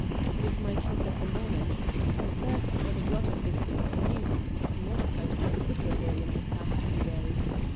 It is my case at the moment. My thirst for the blood of this inconnu has modified considerably in the past few days.